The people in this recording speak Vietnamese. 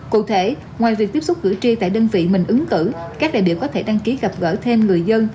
cụ thể ngoài việc tiếp xúc cử tri tại đơn vị mình ứng cử các đại biểu có thể đăng ký gặp gỡ thêm người dân